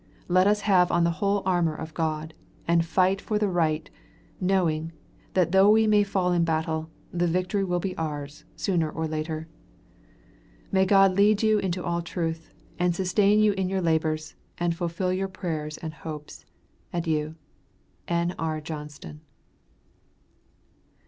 Let us have on the whole armor of God, and fight for the right, knowing, that though we may fall in battle, the victory will be ours, sooner or later. May God lead you into all truth, and sustain you in your labors, and fulfill your prayers and hopes. Adieu. N.R. JOHNSTON.